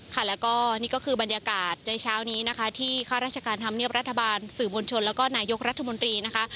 ค่ะแล้วก็นี่ก็คือบรรยากาศในเช้านี้นะคะที่ข้าราชการธรรมเนียบรัฐบาลสื่อมวลชนแล้วก็นายกรัฐมนตรีนะคะ